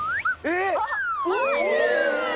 えっ！